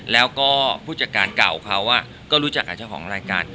แล้วก็ผู้จัดการเก่าเขาก็รู้จักกับเจ้าของรายการ